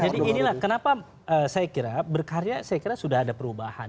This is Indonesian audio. jadi inilah kenapa saya kira berkarya saya kira sudah ada perubahan